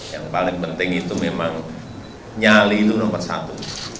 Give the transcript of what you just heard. yang paling penting itu memang nyali itu nomor satu